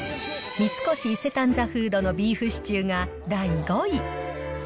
三越伊勢丹ザ・フードのビーフシチューが第５位。